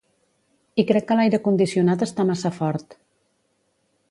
I crec que l'aire condicionat està massa fort.